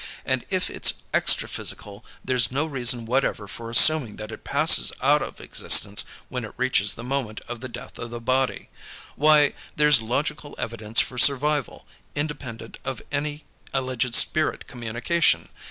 And if it's extraphysical, there's no reason whatever for assuming that it passes out of existence when it reaches the moment of the death of the body. Why, there's logical evidence for survival, independent of any alleged spirit communication!